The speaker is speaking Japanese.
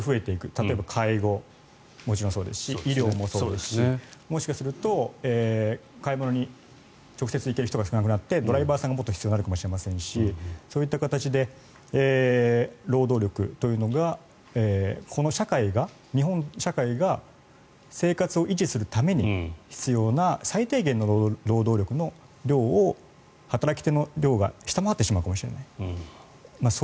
例えば介護ももちろんそうですし医療もそうですしもしかすると買い物に直接行ける人が少なくなってドライバーさんがもっと必要になるかもしれませんしそういった形で労働力というのがこの社会が、日本社会が生活を維持するために必要な最低限の労働力の量を働き手の量が下回ってしまうかもしれない。